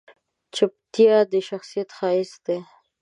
چپتیا، د شخصیت ښایست دی.